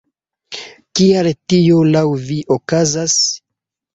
Kial tio laŭ vi okazas?